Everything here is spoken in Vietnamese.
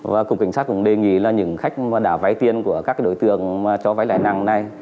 và cục cảnh sát cũng đề nghị là những khách đã vay tiền của các đối tượng cho vay lãi nặng này